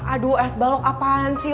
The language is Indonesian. aduh es balok apaan sih